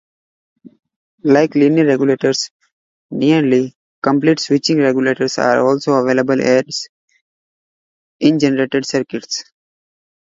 Like linear regulators, nearly complete switching regulators are also available as integrated circuits.